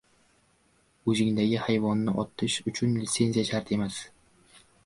— O‘zingdagi hayvonni otish uchun litsenziya shart emas.